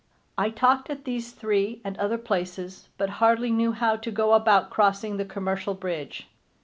I talked at these three and other places, but hardly knew how to go about crossing the commercial bridge.